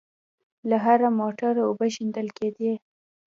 له هره موټره اوبه شېندل کېدې.